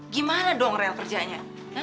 gimana dong real kerjanya